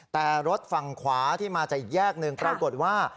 แต่รถฝั่งขวาที่มาจากอีกแยกหนึ่งปรากฏว่า